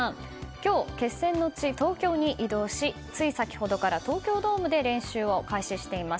今日、決戦の地・東京に移動しつい先ほどから東京ドームで練習を開始しています。